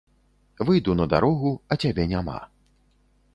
Выйду на дарогу, а цябе няма.